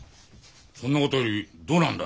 そんなことよりどうなんだ？